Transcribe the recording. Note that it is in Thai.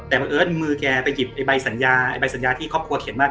แต่บังเอิ้นมือแกไปหยิบใบสัญญาไอ้ใบสัญญาที่ครอบครัวเขียนมา